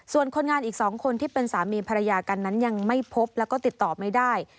ส่วนคนงานอีก๒คนที่เป็นสามีภรรยากันนั้นยังไม่พบแล้วก็ติดต่อไม่ได้